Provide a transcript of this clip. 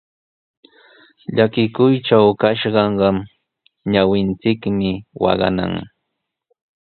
Llakikuytraw kashqaqa ñawinchikmi waqanan.